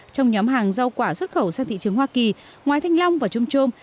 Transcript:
trong nhóm hàng rau quả xuất khẩu sang thị trường hoa kỳ ngoài thanh long và trung chôm